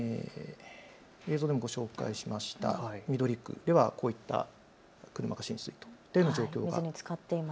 映像でもご紹介しました緑区ではこういった車が浸水というような状況。